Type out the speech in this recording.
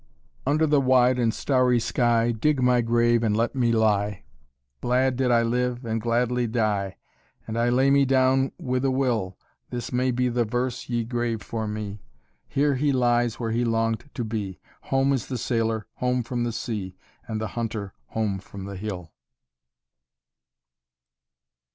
"Under the wide and starry sky Dig my grave and let me lie. Glad did I live and gladly die And I lay me down with a will. This be the verse ye grave for me: 'Here he lies where he longed to be. Home is the sailor, home from the sea, And the hunter home from the hill.'"